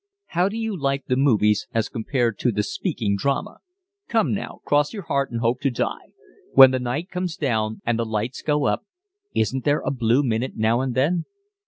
"How do you like the movies as compared to the speaking drama? Come now, cross your heart and hope to die. When the night comes down and the lights go up, isn't there a blue minute now and then?"